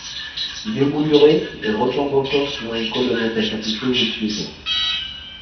Il est mouluré, et retombe encore sur une colonnette à chapiteau au sud.